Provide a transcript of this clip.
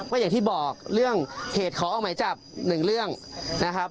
ก็อย่างที่บอกเรื่องเหตุขอออกหมายจับหนึ่งเรื่องนะครับ